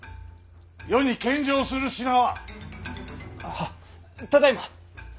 はっただいま！